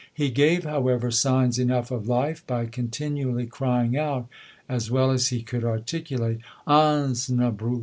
He gave, however, signs enough of life by continually crying out, as well as he could articulate, 'Osnabrück!'